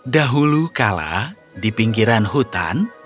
dahulu kala di pinggiran hutan